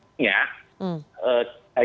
ya ungkit elektronik